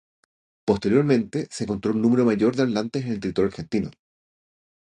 Posteriormente se encontró un número mayor de hablantes en el territorio argentino.